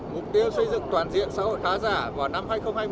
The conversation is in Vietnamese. mục tiêu xây dựng toàn diện xã hội khá giả vào năm hai nghìn hai mươi